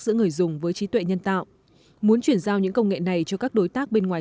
giữa người dùng với trí tuệ nhân tạo muốn chuyển giao những công nghệ này cho các đối tác bên ngoài